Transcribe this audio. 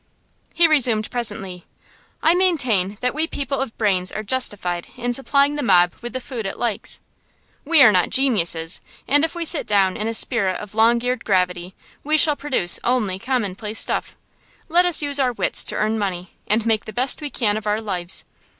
He resumed presently: 'I maintain that we people of brains are justified in supplying the mob with the food it likes. We are not geniuses, and if we sit down in a spirit of long eared gravity we shall produce only commonplace stuff. Let us use our wits to earn money, and make the best we can of our lives.